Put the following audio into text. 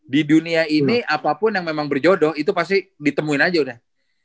di dunia ini apapun yang memang berjodoh itu pasti ditemuin aja udah